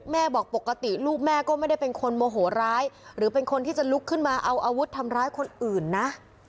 บอกปกติลูกแม่ก็ไม่ได้เป็นคนโมโหร้ายหรือเป็นคนที่จะลุกขึ้นมาเอาอาวุธทำร้ายคนอื่นนะ